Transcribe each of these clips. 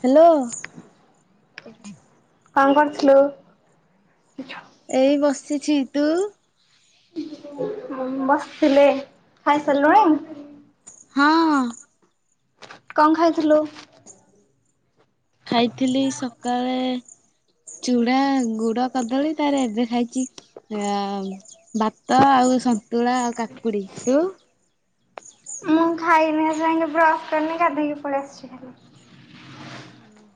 Hello. କଣ କରଥିଲୁ? ଏଇ ବସିଛି ତୁ? ବସିଥିଲି ଖାଇ ସାରିଲୁଣି? ହଁ। କଣ ଖାଉଥିଲୁ? ଖାଇଥିଲି ସକାଳେ ଚୁଡା ଗୁଡ କଦଳୀ ତାରେ ଏବେ ଖାଇଚି ଭାତ ଆଉ ସନ୍ତୁଳା ଆଉ କାକୁଡି ତୁ? ମୁଁ ଖାଇନି ଏଯାଏକେ ବ୍ରସ୍ କରିନି ଗାଧେଇକି ପଳେଇ ଆସିଛି ଖାଲି।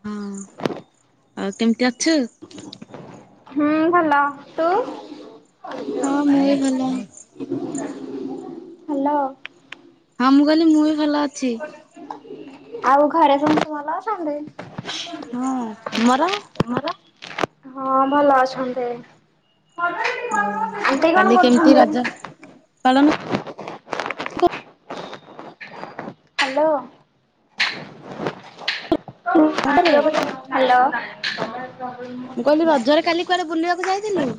ହଁ ଆଉ କେମିତି ଅଛୁ? ହୁଁ ଭଲ ତୁ? ହଁ ମୁଁ ବି ଭଲ। ହ୍ୟାଲୋ। ହଁ ମୁଁ କହିଲି ମୁଁ ବି ଭଲ ଅଛି। ଆଉ ଘରେ ସମସ୍ତେ ଭଲ ଅଛନ୍ତି? ହଁ ତମର? ତମର ହଁ ଭଲ ଅଛନ୍ତି। ଆଉ ଆଣ୍ଟି କଣ କାଲି କେମିତି କରୁଛନ୍ତି? ରଜ ପାଳନ ହ୍ୟାଲୋ। ରେ ହ୍ୟାଲୋ। ମୁଁ କହିଲି ରଜରେ କାଲି କୁଆଡେ ବୁଲିବାକୁ ଯାଇଥିଲୁ?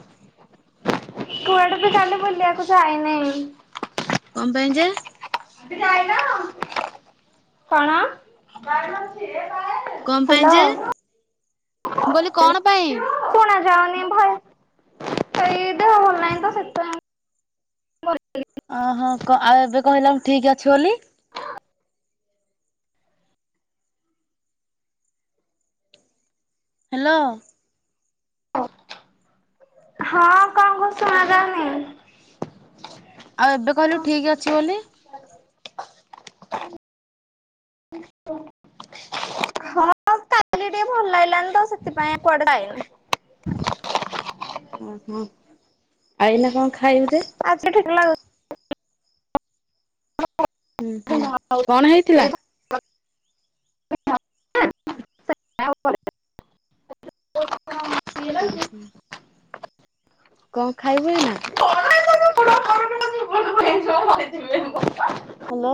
କୁଆଡେ ବି କାଲି ବୁଲିଆକୁ ଯାଇନେଇଁ। କଣ ପାଇଁ ଯେ? କଣ? କଣ ପାଇଁ ହ୍ୟାଲୋ। ଯେ ମୁଁ କହିଲି କଣ ପାଇଁ? ଶୁଣା ଯାଉନି ଭଲ୍ ଏଇ ଦେହ ଭଲ ନାହିଁ ତ ସେଥିପାଇଁ। ଅ ହୋ କ ଆଉ ଏବେ କହିଲ ଠିକ୍ ଅଛି ବୋଲି। ହ୍ୟାଲୋ। ହଁ କଣ କହୁଛ ଶୁଣା ଜାଉନି? ଆଉ ଏବେ କହିଲୁ ଠିକ୍ ଅଛି ବୋଲି। ହଁ ଟିକେ ଭଲ ଲାଗିଲାନି ତ ସେଥିପାଇଁ କୁଆଡେ ଯାଇନି। ଓହୋ ଏଇନା କଣ ଖାଇବୁ ଯେ? ଆଜି ଠିକ୍ ଲାଗୁ ହୁଁ ହୁଁ କଣ ହେଇଥିଲା [unintelligible] [unintelligible] ଉଁ ହୁଁ। କଣ ଖାଇବୁ ଏଇନା? ହ୍ୟାଲୋ।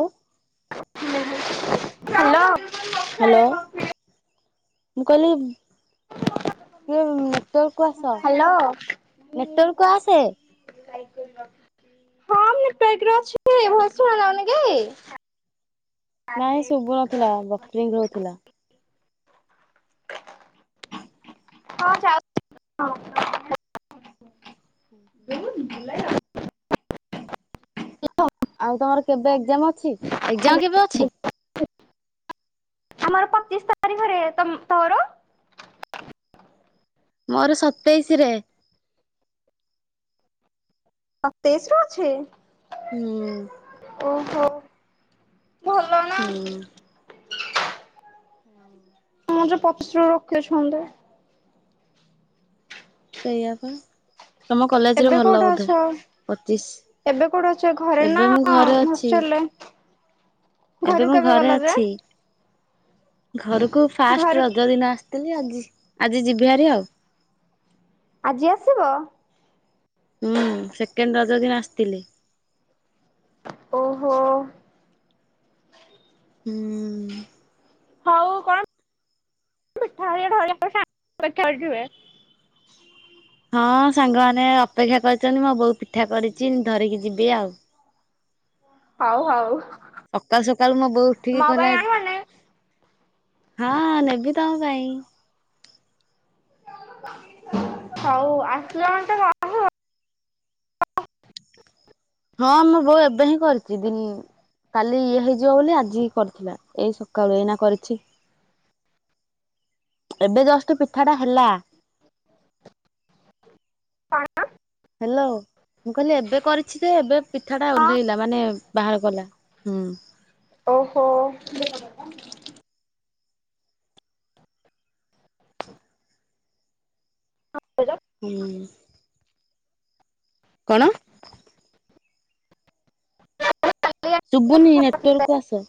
[inaudible] ହ୍ୟାଲୋ। ହ୍ୟାଲୋ ମୁଁ କହିଲି କିଏ ନେ ତକୁ ଆସ ହ୍ୟାଲୋ। ନେଟୱାର୍କ କୁଆସେ। [unintelligible] ହଁ ନେଟୱାର୍କ ରେ ଅଛି ଭଏସ ଶୁଣା ଯାଉନି କି? ନାଇଁ ଶୁଭୁ ନଥିଲା ବଟ୍ରିଙ୍ଗ ରହୁଥିଲା। ହଁ ଚାଉ [unintelligible] ଜୁନ୍ ଜୁଲାଇର ଆଉ ତମର କେବେ ଏଯାମ୍ ଅଛି ଏଯାମ କେବେ ଅଛି? ଆମର ପଚିଶ ତାରିଖରେ ତମ ତୋର? ମୋର ସତେଇଶି ରେ। ସତେଇଶି ରେ ଅଛି? ହୁଁ। ଓହୋ, ଭ ହୁଁ। ହଁ। ହଁ ଯେ ପଛରୁ ରୋକିଛନ୍ତି। ସେଇଆ ବା। ଏବେ କୋଉଠି ଅଛ? ପଚିଶ ଏବେ କୋଉଠି ଅଛ ଘରେ ନା ଏବେ ମୁଁ ଘରେ ଅଛି ହଷ୍ଟେଲରେ? ଏବେ ଘରୁ ମୁଁ କେବେ ଘରେ ଗଲ ଯେ? ଅଛି ଘରକୁ ଫାଷ୍ଟ ଘରୁ ରଜ ଦିନ ଆସ ଥିଲି ଆଜି ଆଜି ଯିବି ହାରି ଆଉ। ଆଜି ଆସିବ? ହୁଁ ସେକେଣ୍ଡ ରଜ ଦିନ ଆସିଥିଲି। ଓହୋ! ହୁଁ। ହଉ କଣ, ପିଠା ହେରିକା ଧରିକି ଆସିବେ ସାଙ୍ଗରେ [unintelligible] ହଁ ସାଙ୍ଗମାନେ ଅପେକ୍ଷା କରିଛନ୍ତି ମୋ ବୋଉ ପିଠା କରିଛି ଧରିକି ଯିବି ଆଉ। ହଉ ହଉ। ସକାଳୁ ସକାଳୁ ମୋ ବୋଉ ଉଠିକି ମୋ କହିଲା ପାଇଁ ଆଣିବନି ହଁ ନେବି ତମ ପାଇଁ। ହଉ ଆସିଲେ ମତେ କ ହଁ ମୋ ବୋଉ ଏବେ ହିଁ କରିଛି ଦିନ କାଲି ଇଏ ହେଇଯିବ ବୋଲି ଆଜିି କରିଥିଲା ଏଇ ସକାଳୁ ଏଇନା କରିଛି। [inaudible] ଏବେ ଜଷ୍ଟ ପିଠାଟା ହେଲା। କଣ? ହ୍ୟାଲୋ, ମୁଁ କହିଲି ଏବେ କରିଛି ଯେ ଏବେ ପିଠାଟା ଓହ୍ଲେଇଲା ମାନେ ବାହାର କଲା ହୁଁ। ଓହୋ! ହଁ [unintelligible] ହୁଁ। କଣ? କଣ ଶୁଭୁନି ନେଟୱାର୍କ କୁ ଆସ।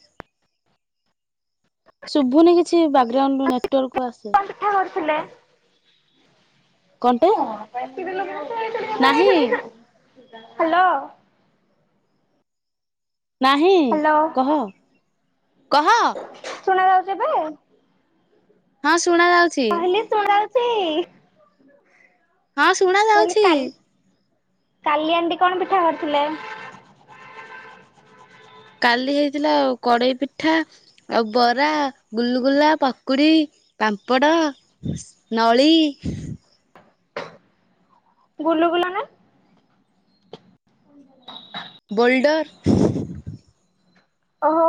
ଶୁଭୁନି କିଛି ବ୍ୟାଗ୍ରାଉଣ୍ଡରୁ ନେଟୱାର୍କ୍ କୁ ଆସେ। ପିଠା କରୁଥିଲେ। କଣଟେ ନାହିଁ ହ୍ୟାଲୋ। ନାହିଁ ହ୍ୟାଲୋ କହ, କହ? ଶୁଣାଯାଉଛି ଏବେ? ହଁ ଶୁଣାଯାଉଛି। ହେ ଶୁଣାଯାଉଛି? ହଁ ଶୁଣା କହିଲି ଯାଉଛି କାଲି, କାଲି ଆଣ୍ଟି କଣ ପିଠା କରିଥିଲେ? କାଲି ହେଇଥିଲା ଆଉ କଡେଇ ପିଠା, ଆଉ ବରା, ଗୁଲୁଗୁଲା, ପକୁଡ଼ି, ପାମ୍ପଡ଼ ନଳି। ଗୁଲୁଗୁଲା ନା? ହଁ। ବୋଲ୍ଡର। ଓହୋ!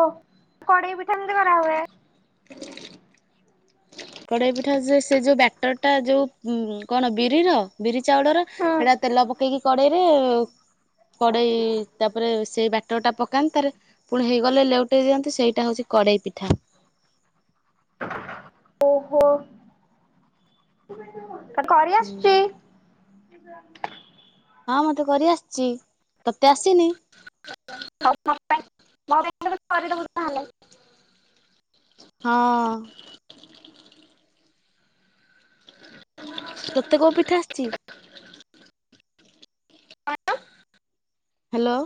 କଡ଼େଇ ପିଠା କେମିତି କରା ହୁଏ? କଡେଇ ପିଠା ସେ ସେ ଯୋଉ ବ୍ୟାଟରଟା ଯୋଉ ଉଁ କଣ ବିରିର ବିରି ଚାଉଳର ହୁଁ ହେଇଟା ତେଲ ପକେଇକି କଡେଇରେ କଡେଇ ତାପରେ ସେଇ ବ୍ୟାଟରଟା ପକାନ୍ତି ତାରେ ପୁଣି ହେଇଗଲେ ଲେଉଟେଇ ଦିଅନ୍ତି ସେଇଟା ହେଉଛି କଡ଼େଇ ପିଠା। ଓହୋ। ତ କରି ଆସୁଛି? ହଁ ମତେ କରିଆସିଛି ତତେ ଆସିନି? ମୋ କରିଦ ହେଲେ [unintelligible] ହଁ। ତତେ କୋଉ ପିଠା ଆସିଛି। [unintelligible] ହ୍ୟାଲୋ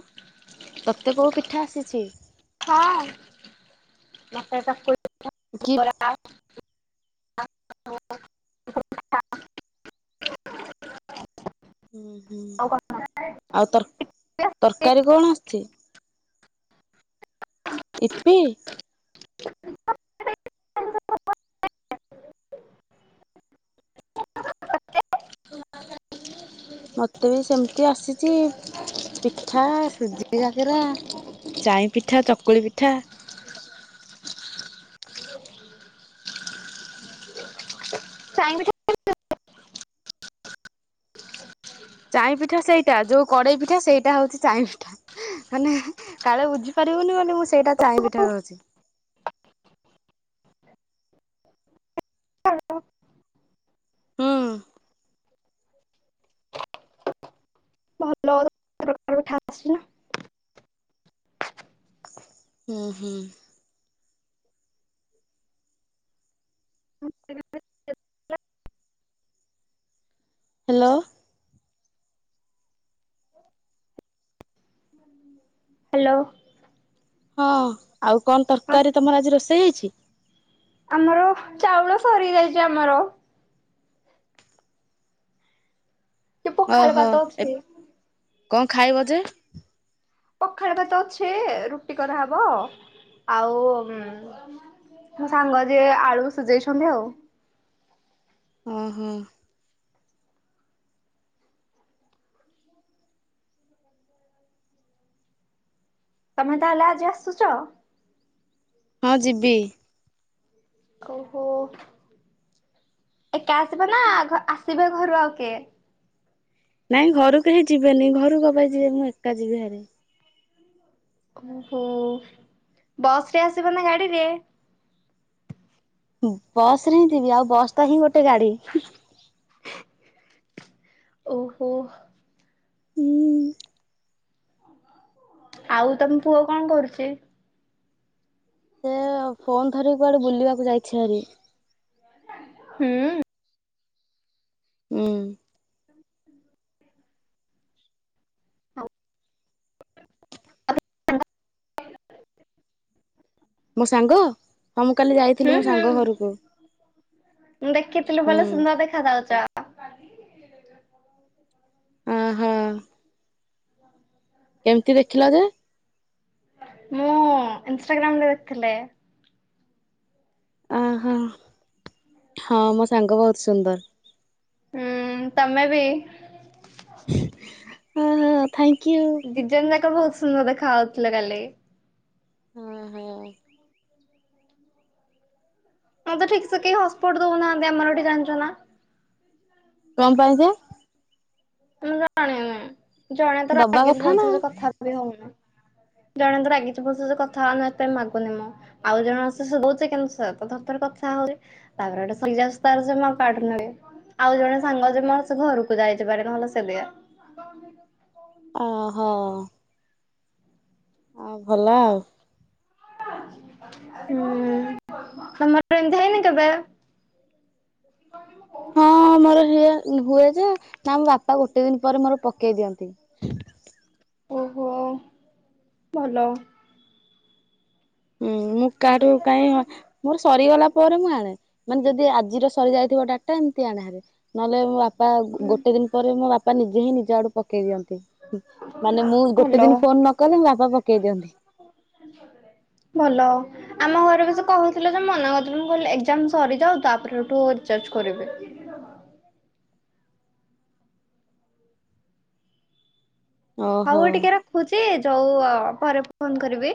ତତେ କୋଉ ପିଠା ଆସିଛି। ହଁ ମତେ ଚକୁ କି ହୁଁ ହୁଁ ଆଉ କଣ ଆଉ ତର ତରକାରୀ କଣ ଆସିୁଛି। ଇପି। [inaudible] ମତେ ବି ସେମିତି ଆସିଛି ପିଠା ସୁଜି କରା ଚାଇ ପିଠା ଚକୁଳି ପିଠା। ଚାଇଁ ପିଠା ଚାାଇଁ ପିଠା ସେଇଟା ଯୋଉ କଡେଇ ପିଠା ସେଇଟା ହଉଛି ଚାାଇଁ ପିଠା। ମାନେ କାଳେ ବୁଝି ପାରିବୁନି ବୋଲିନ ମୁଁ ସେଇଟା ଚାହିଁ ପିଠା କହୁଛି। ହ୍ୟାଲୋ [inaudible] ହୁଁ। ଭଲ। ଆଠା ଆସଛି ନା [inaudible] ହୁଁ ହୁଁ। [unintelligible] ହ୍ୟାଲୋ। ହ୍ୟାଲୋ। ହଁ ଆଉ କଣ ହଁ ତରକାରୀ ତମର ଆଜି ରୋଷେଇ ହେଇଛି। ଆମର ଚାଉଳ ସରି ଯାଇଛି ଆମର। କି ପଖାଳ ଓହୋ ଭାତ ଅଛି। କଣ ଖାଇବ ଯେ। ପଖାଳ ଭାତ ଅଛେ ରୁଟି କରହବ ଆଉ ମୋ ସାଙ୍ଗ ଯି ଆଳୁ ସୁଝେଇଛନ୍ତି ଆଉ। ହିଁ [inaudible] ତମେ ତାହେଲେ ଆଜି ଆସୁଛ। ହଁ ଯିବି। ଓହୋ। ଏକା ଆସିବ ନା ଆସିବେ ଘରୁ ଆଉ କିଏ? ନାଇଁ ଘରୁ କେହି ଯିବେନି ଘରୁ କ ପାଇଁ ଯିବେ ମୁଁ ଏକା ଯିବି ହାର। ଓହୋ ବସ ରେ ଆସିବ ନା ଗାଡିରେ। ବସ ରେ ହିଁ ଯଥିବି ଆଉ ବସ୍ଟା ହିଁ ଗୋଟେ ଗାଡି। ଓହୋ। ହୁଁ। ଆଉ ତମ ପୁଅ କଣ କରୁଛି। ସେ ଫୋନ ଧରିକି କୁଆଡେ ବୁଲିବାକୁ ଯାଇଛି ଆରି। ହୁଁ। ହୁଁ। [inaudible] ମୋ ସାଙ୍ଗ। ହଁ ମୁଁ କାଲି ଯାଇଥିଲି ହୁଁ ମୋ ହୁଁ ସାଙ୍ଗ ଘରକୁ ମୁଁ ଦେଖିଥିଲି ଭଲ ହୁଁ। ସୁନ୍ଦର ଦେଖା ଯାଉଛ ହୁଁ, ହୁଁ। କେମିତି ଦେଖିଲ ଯେ ମୁଁ ଇନଷ୍ଟାଗ୍ରାମ୍ ରେ ଦେଖିଥିଲି। ଅ ହଁ ମୋ ସାଙ୍ଗ ବହୁତ ସୁନ୍ଦର। ହୁଁ, ତମେ ବି। ହଁ ହଁ ଥ୍ୟାଙ୍କ ୟୁ। ଦି ଜଣ ଯାକ ବହୁତ ସୁନ୍ଦର ଦେଖା ହାଉଥିଲ କାଲି। ହଁ ହଁ। ମତେ ଠିକ୍ ସେ କେହି ହଟସ୍ପଟ୍ ଦଉ ନାହାନ୍ତି ଆମର ଏଠି ଜାଣିଛ ନା। କଣ ପାଇଁ ଯେ। ମୁଁ ଜାଣିନି, ଜଣେ ତ ଦବା ରଗିଛି କଥା ନା ଭଲ ସେ କଥା ବି ହଉନି। ଜଣେ ତ ରାଗିଥଛି, ମୋ ସହିତ କଥା ହଉନି ଏଇଠି ପାଇଁ ମାଗୁନି ମୁଁ ଆଉ ଜଣ ଙ୍କ ସହ ବୁଲୁଛି କିନ୍ତୁ ଧଥରଥର କଥା ହଉଛି। ତା ପରେ ଗୋଟେ ଶୋଇଯାଉଛି ତ ଜମା କାଢୁନି ଆଉ ଜଣେ ସାଙ୍ଗ ଅଛି ମୋର ସେ ଘରକୁ ଯାଇଛି ପାରେ। ସେଦେ ଆ [unintelligible] ଅ ହୋ ଆ ଭଲ ଆଉ। ହୁଁ, ତମର ଏମିତି ହେଇନି କେବେ? ହଁ ମୋର ହଏ ହୁଏ ଯେ ନା ମୋ ବାପା ଗୋଟେ ଦିନ ପରେ ମୋର ପକେଇ ଦିଅନ୍ତି। ଓହୋ ଭଲ। ମୁଁ କାଠୁ କାହିଁ ମୋର ସରିଗଲା ପରେ ମୁଁ ଆଣେ। ମାନେ ଯଦି ଆଜିର ସରି ଯାଇଥିବ ଡାଟା ଏମତି ଆଣେ ହେରି ନ ହେଲେ ମୋ ବାପା ଗୋଟେ ଦିନ ପରେ ମୋ ବା ବାପା ନିଜେ ହିଁ ନିଜ ଆଡୁ ପକେଇ ଦିଅନ୍ତି, ମାନେ ମୁଁ ଗୋଟେ ଭଲ। ଦିନ ଫୋନ ନ କଲେ ବାପା ପକେଇ ଦିଅନ୍ତି। ଭଲ। ଆମ ଘରେ ବି ସେ କହୁଥିଲେ ଯେ ମନା କରିଥିଲ ମୁଁ କହିଲି ଏକଜାମ୍ ସରିଯାଉ ତାପରେଠୁ ରିଚାର୍ଜ କରିବି। ଓହୋ ହଉ ଟିକେ ରଖୁଛି ଯୋଉ ପରେ ଫୋନ କରିବି।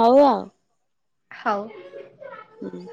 ହଉ ଆଉ। ହଉ। ହୁଁ।